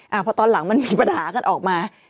อ่าเพราะตอนหลังมันมีปัญหากันออกมา